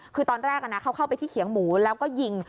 คือตอนแรกเขาเข้าไปที่เขียงหมูแล้วก็ยิง